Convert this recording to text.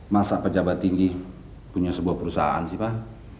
masa pejabat tinggi punya sebuah perusahaan sih pak